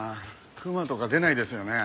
熊とか出ないですよね？